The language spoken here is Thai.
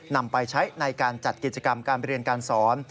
นำไปใช้ในการจัดกิจกรรมการเรียนการสอน